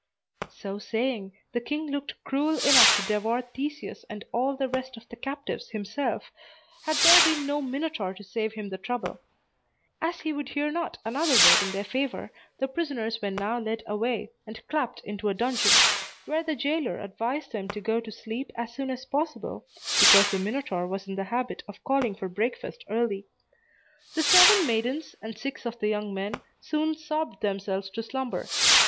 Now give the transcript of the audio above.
So saying, the king looked cruel enough to devour Theseus and all the rest of the captives himself, had there been no Minotaur to save him the trouble. As he would hear not another word in their favor, the prisoners were now led away, and clapped into a dungeon, where the jailer advised them to go to sleep as soon as possible, because the Minotaur was in the habit of calling for breakfast early. The seven maidens and six of the young men soon sobbed themselves to slumber.